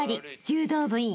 ［柔道部員